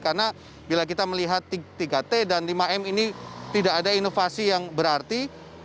karena bila kita melihat tiga t dan lima m ini tidak ada inovasi yang berarti